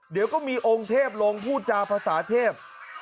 เดี๋ยวก็มีองค์เทพลงพูดจาภาษาเทพ